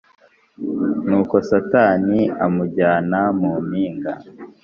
Nuko Satani amujyana mu mpinga